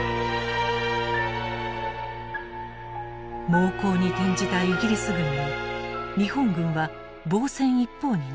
猛攻に転じたイギリス軍に日本軍は防戦一方になっていく。